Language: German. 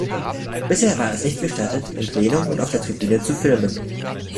Bisher war es nicht gestattet, im Plenum und auf der Tribüne zu filmen.